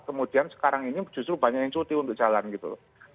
kemudian sekarang ini justru banyak yang cuti untuk jalan gitu